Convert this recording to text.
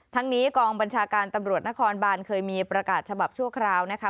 ทั้งนี้กองบัญชาการตำรวจนครบานเคยมีประกาศฉบับชั่วคราวนะคะ